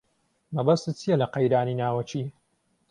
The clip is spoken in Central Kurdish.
مەبەستت چییە لە قەیرانی ناوەکی؟